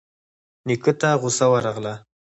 نيکه ته غوسه ورغله.